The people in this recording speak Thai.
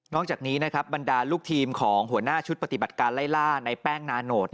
จากนี้นะครับบรรดาลูกทีมของหัวหน้าชุดปฏิบัติการไล่ล่าในแป้งนาโนต